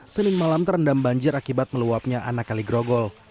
senin malam terendam banjir akibat meluapnya anak kali grogol